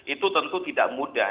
itu tentu tidak mudah